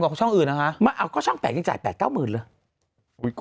เออจริงจริงมาเล่นช่องเล็ก